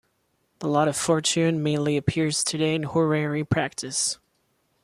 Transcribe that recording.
The Lot of Fortune mainly appears today in horary practice.